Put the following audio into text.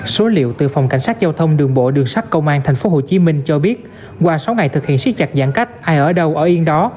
số liệu từ phòng cảnh sát giao thông đường bộ đường sát công an thành phố hồ chí minh cho biết qua sáu ngày thực hiện siết chặt giãn cách ai ở đâu ở yên đó